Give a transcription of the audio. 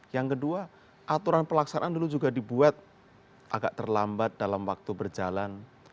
yang kedua aturan pelaksanaan dulu juga dibuat agak terlambat dalam waktu berjalan